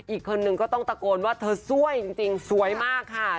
อีกคนนึงก็ต้องตะโกนว่าเธอสวยจริงสวยมากค่ะ